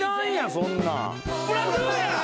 そんなん。